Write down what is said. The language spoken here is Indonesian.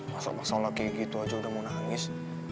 masuk masuk lagi gitu aja udah mau nangis